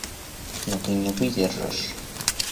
Но ты не выдержишь.